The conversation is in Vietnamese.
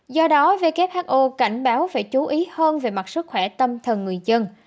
do đó who cảnh báo phải chú ý hơn về mặt sức khỏe tâm thần người dân